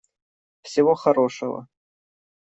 Всего хорошего.